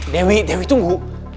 dewi dewi tunggu